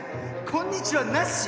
「こんにちは」なし？